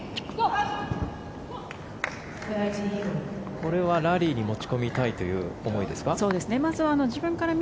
これはラリーに持ち込みたいという思いですか？